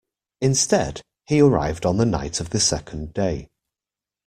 Instead, he arrived on the night of the second day.